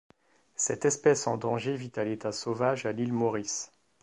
Cette espèce en danger vit à l'état sauvage à l'île Maurice.